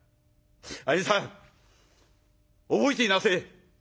兄さん覚えていなせぇ！」。